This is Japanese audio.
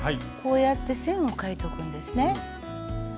こうやって線を書いとくんですね。